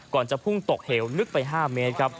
ก่อนจะพุ่งตกเหี่ยวนึกไป๕เมตร